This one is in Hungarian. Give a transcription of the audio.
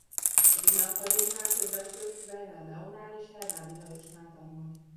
A Zeneakadémián többek közt Weiner Leónál és Hernádi Lajosnál tanult.